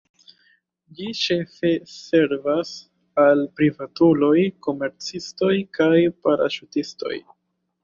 Ĝi ĉefe servas al privatuloj, komercistoj kaj paraŝutistoj.